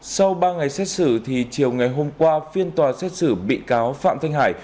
sau ba ngày xét xử thì chiều ngày hôm qua phiên tòa xét xử bị cáo phạm thanh hải